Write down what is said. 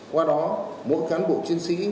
qua đó mỗi cán bộ chiến sĩ